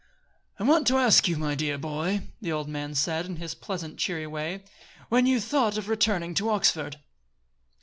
"I want to ask you, my dear boy," the old man said, in his pleasant, cheery way, "when you thought of returning to Oxford."